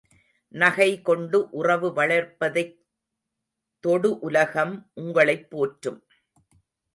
நகை கொண்டு உறவு வளர்ப்பதைத் தொடு, உலகம் உங்களைப் போற்றும்.